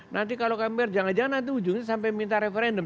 nanti kalau mpr jangan jangan nanti ujungnya sampai minta referendum